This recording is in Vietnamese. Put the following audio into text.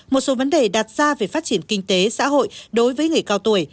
một số vấn đề đạt ra về phát triển kinh tế xã hội đối với người cao tuổi